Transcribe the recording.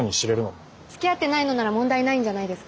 つきあってないのなら問題ないんじゃないですか？